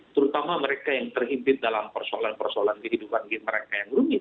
terutama mereka yang terhimpit dalam persoalan persoalan kehidupan mereka yang rumit